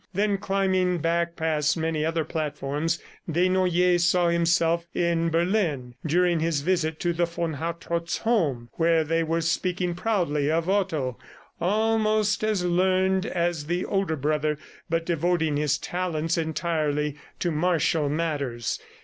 Then, climbing back past many other platforms, Desnoyers saw himself in Berlin during his visit to the von Hartrott home where they were speaking proudly of Otto, almost as learned as the older brother, but devoting his talents entirely to martial matters.